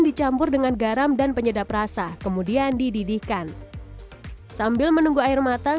dididihkan sambil menunggu air matang ikan ikan yang sudah dihidupkan kemudian dididihkan sambil menunggu air matang